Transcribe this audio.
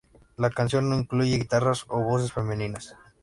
La canción no incluye guitarras o voces femeninas.